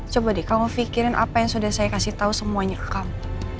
coba deh kamu pikirin apa yang sudah saya kasih tahu semuanya ke kamu